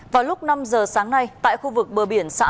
vào lúc năm giờ sáng nay tại khu vực bờ biển xã